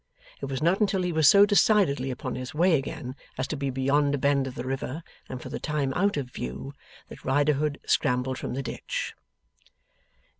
It was not until he was so decidedly upon his way again as to be beyond a bend of the river and for the time out of view, that Riderhood scrambled from the ditch.